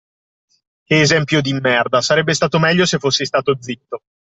Che esempio di merda, sarebbe stato meglio se fossi stato zitto.